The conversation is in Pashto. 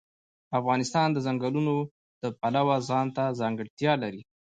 افغانستان د ځنګلونو د پلوه ځانته ځانګړتیا لري.